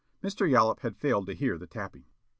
Mr. Yollop had failed to hear the tapping.